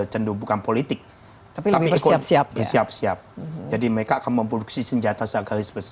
cendung bukan politik tapi bersiap siap bersiap siap jadi mereka akan memproduksi senjata segaris